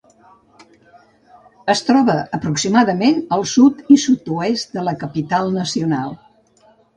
Es troba aproximadament al sud i sud-oest de la capital nacional.